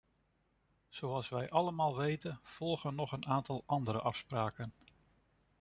Zoals wij allemaal weten, volgen nog een aantal andere afspraken.